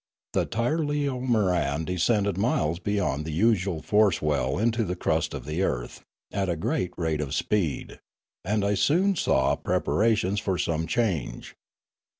The tirleomoran descended miles beyond the usual force well into the crust of the earth, at a great rate of speed, and I soon saw preparations for some change.